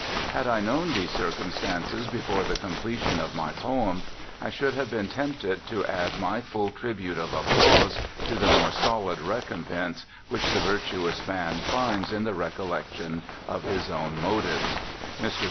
Had I known these circumstances before the completion of my poem, I should have been tempted to add my full tribute of applause to the more solid recompense which the virtuous man finds in the recollection of his own motives. Mr.